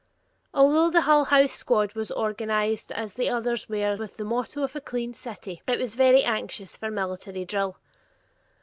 Although the Hull House squad was organized as the others were with the motto of a clean city, it was very anxious for military drill.